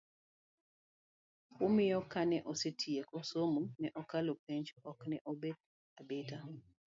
omiyo kane osetieko somo ma okalo penj, ok ne obet abeta